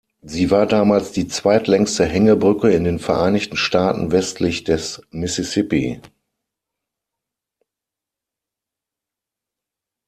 Sie war damals die zweitlängste Hängebrücke in den Vereinigten Staaten westlich des Mississippi.